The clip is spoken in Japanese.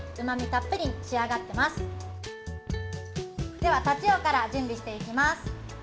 では、タチウオから準備していきます。